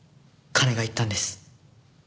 金が要ったんです。